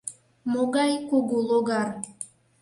Могай кугу логар?